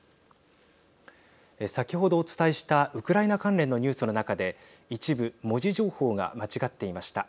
先ほどお伝えしたウクライナ関連のニュースの中で一部文字情報が間違っていました。